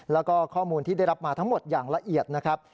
แล้วก็ข้อมูลที่ได้รับมาทั้งหมดอย่างละเอียดนะครับ